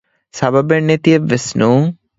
ސަބަބެން ނެތިއެއްވެސް ނޫން